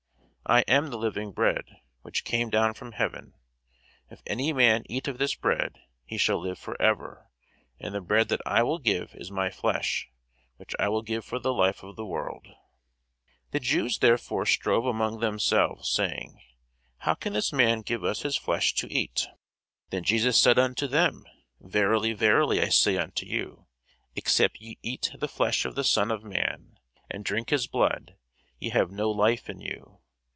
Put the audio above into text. I am the living bread which came down from heaven: if any man eat of this bread, he shall live for ever: and the bread that I will give is my flesh, which I will give for the life of the world. [Sidenote: St. Mark 7] The Jews therefore strove among themselves, saying, How can this man give us his flesh to eat? Then Jesus said unto them, Verily, verily, I say unto you, Except ye eat the flesh of the Son of man, and drink his blood, ye have no life in you.